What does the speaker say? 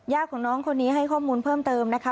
ของน้องคนนี้ให้ข้อมูลเพิ่มเติมนะคะ